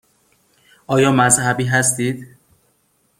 آیا مذهبی هستید؟